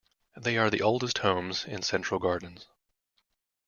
They are the oldest homes in Central Gardens.